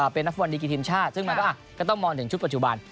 เป็นนักฟุตบอลดีกีทีมชาติซึ่งมันก็ต้องมองถึงชุดปัจจุบัน